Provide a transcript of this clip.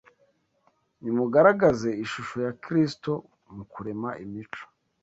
Nimugaragaze ishusho ya Yesu Krist Mu kurema imico,